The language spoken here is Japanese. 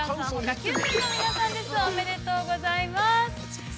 ご当せんおめでとうございます！